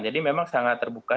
jadi memang sangat terbuka